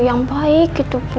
yang baik gitu bu